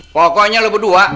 pokoknya lu berdua